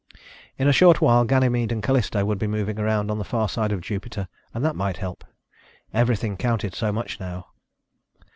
In a short while Ganymede and Callisto would be moving around on the far side of Jupiter and that might help. Everything counted so much now.